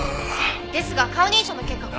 ですが顔認証の結果この人。